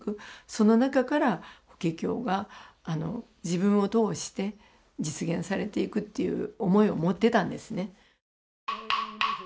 その中から「法華経」が自分を通して実現されていくっていう思いを持ってたんですね。